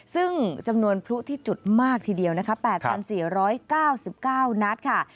ซึ่งจำนวนพลุที่จุดมากทีเดียวนะคะ๘๔๙๙นัดค่ะ